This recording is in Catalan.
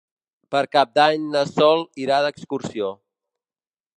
Per Cap d'Any na Sol irà d'excursió.